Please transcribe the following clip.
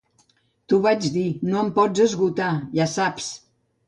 T'ho vaig dir, no em pots esgotar, ja saps.